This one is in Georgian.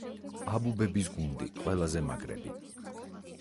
აბუბების გუნდი ყველაზე მაგრები